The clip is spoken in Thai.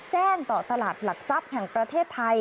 แจ้งต่อตลาดหลักทรัพย์แห่งประเทศไทย